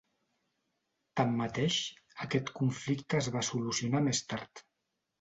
Tanmateix, aquest conflicte es va solucionar més tard.